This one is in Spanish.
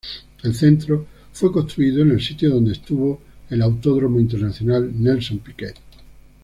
El centro fue construido en el sitio donde estuvo el Autódromo Internacional Nelson Piquet.